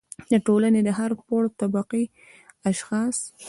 د ټولنې د هر پوړ او طبقې اشخاص